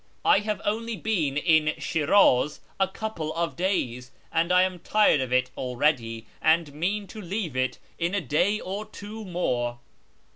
I have only been in Shiraz a couple of days, and I am tired of it already, and mean to leave it in a day or two more."